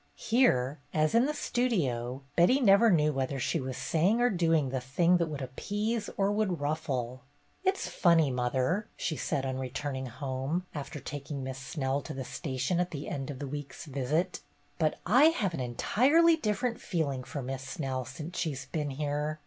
Here, as in the Studio, Betty never knew whether she was saying or doing the thing that would appease or would ruffle. "It 's funny, mother," she said, on returning home, after taking Miss Snell to the station at the end of the week's visit, "but I have an entirely different feeling for Miss Snell since she 's been here.